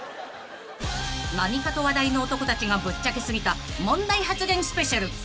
［何かと話題の男たちがぶっちゃけ過ぎた問題発言スペシャル］